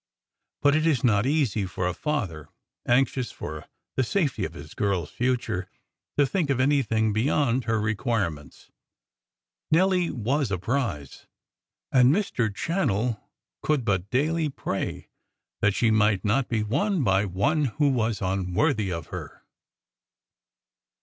But it is not easy for a father, anxious for the safety of his girl's future, to think of anything beyond her requirements. Nelly was a prize; and Mr. Channell could but daily pray that she might not be won by one who was unworthy of her.